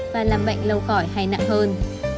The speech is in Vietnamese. và làm bệnh lâu khỏi hay nặng hơn